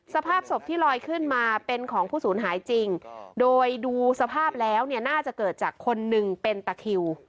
สภาพศพที่ลอยขึ้นมาเป็นของผู้สูญหายจริงโดยดูสภาพแล้วเนี่ยน่าจะเกิดจากคนหนึ่งเป็นตะคิว